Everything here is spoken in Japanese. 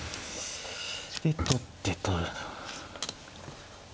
で取って取る。